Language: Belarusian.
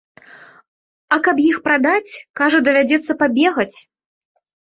А каб іх прадаць, кажа, давядзецца пабегаць.